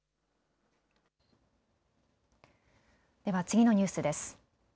では次のニュースです。